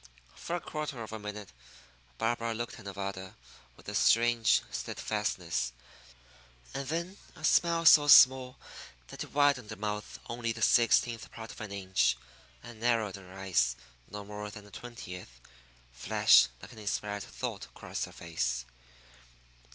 For a quarter of a minute Barbara looked at Nevada with a strange steadfastness; and then a smile so small that it widened her mouth only the sixteenth part of an inch, and narrowed her eyes no more than a twentieth, flashed like an inspired thought across her face.